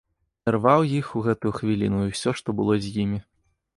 Ірваў іх у гэтую хвіліну і ўсё, што было з імі.